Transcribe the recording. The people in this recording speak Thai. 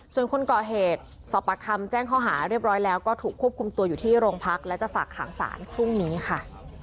ส่วนคนก่อเหตุสอบปากคำแจ้งข้อหาเรียบร้อยแล้วก็ถูกควบคุมตัวอยู่ที่โรงพักและจะฝากขังสารพรุ่งนี้ค่ะ